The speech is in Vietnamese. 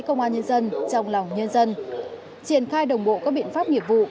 công an nhân dân trong lòng nhân dân triển khai đồng bộ các biện pháp nghiệp vụ